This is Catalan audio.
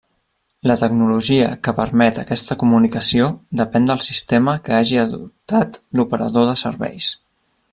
La tecnologia que permet aquesta comunicació depèn del sistema que hagi adoptat l'operador de serveis.